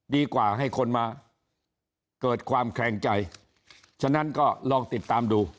ดีกว่าให้คนมาเกิดความแคลงใจฉะนั้นก็ลองติดตามดู